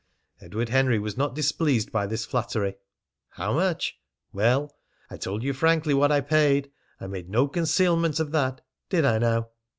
Edward Henry was not displeased by this flattery. "How much?" "How much? Well, I told you frankly what I paid. I made no concealment of that, did I now?